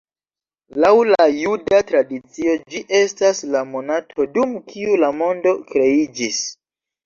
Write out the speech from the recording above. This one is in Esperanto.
Laŭ la juda tradicio, ĝi estas la monato, dum kiu la mondo kreiĝis.